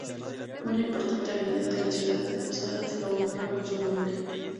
Una importante avenida de la Ciudad de Posadas lo honra con su nombre.